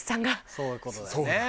そういう事だよね。